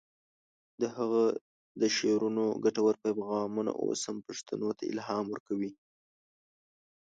د هغه د شعرونو ګټور پیغامونه اوس هم پښتنو ته الهام ورکوي.